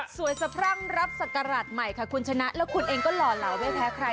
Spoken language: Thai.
สะพรั่งรับศักราชใหม่ค่ะคุณชนะแล้วคุณเองก็หล่อเหลาไม่แพ้ใคร